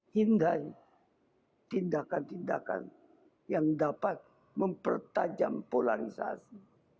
hindai tindakan tindakan yang dapat mempertajam polarisasi